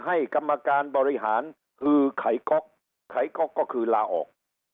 ให้กรรมการบริหารคือไขก๊อกไขก๊อกก็คือลาออก